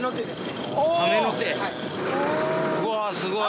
うわすごい！